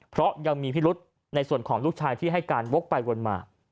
เพราะยังมีพิรุษในส่วนของลูกชายที่ให้การวกไปวนมา